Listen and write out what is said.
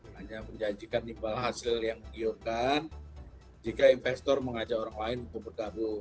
hanya menjanjikan nilai hasil yang diilkan jika investor mengajak orang lain untuk bertabung